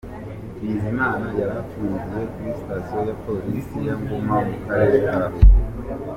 Bizimana yari afungiye kuri stasiyo ya polisi ya Ngoma mu karere ka Huye.